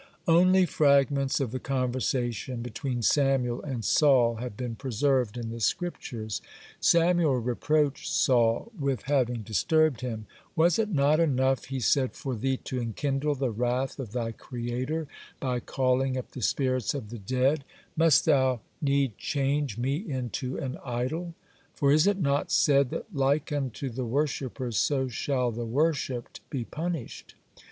Only fragments of the conversation between Samuel and Saul have been preserved in the Scriptures. Samuel reproached Saul with having disturbed him. "Was it not enough," he said, "for thee to enkindle the wrath of thy Creator by calling up the spirits of the dead, must thou need change me into an idol? For is it not said that like unto the worshippers so shall the worshipped be punished?"